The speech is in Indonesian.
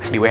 di wa aja